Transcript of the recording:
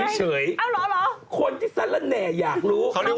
เอ้าเหรอฉันเนี่ยคนที่สละเนอยากรู้เออ